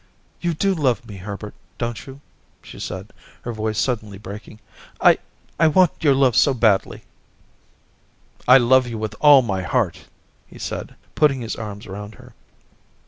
* You do love me, Herbert, don't you ?' she said, her voice suddenly breaking. * I want your love so badly.' * I love you with all my heart !' he said, putting his arms round her.